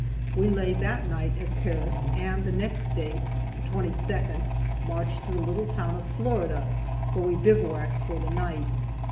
We lay that night at Paris, and the next day (the 22nd) marched to the little town of Florida, where we bivouacked for the night.